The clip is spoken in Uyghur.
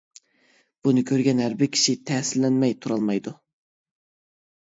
بۇنى كۆرگەن ھەر بىر كىشى تەسىرلەنمەي تۇرالمايدۇ.